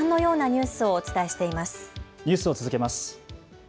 ニュースを続けます。